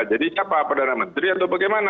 jadi siapa perdana menteri atau bagaimana